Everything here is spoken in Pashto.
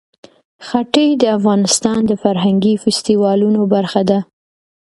ښتې د افغانستان د فرهنګي فستیوالونو برخه ده.